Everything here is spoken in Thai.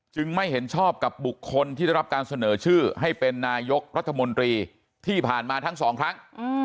ไม่เห็นชอบกับบุคคลที่ได้รับการเสนอชื่อให้เป็นนายกรัฐมนตรีที่ผ่านมาทั้งสองครั้ง